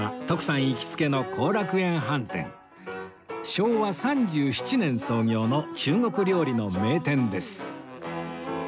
昭和３７年創業の中国料理の名店です